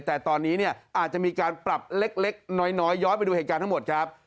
แต่ตอนนี้เนี่ยอาจจะมีการปรับเล็กน้อยย้อนไปดูเหตุการณ์ทั้งหมดครับ